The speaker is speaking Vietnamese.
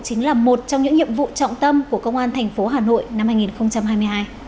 chính là một trong những nhiệm vụ trọng tâm của công an thành phố hà nội năm hai nghìn hai mươi hai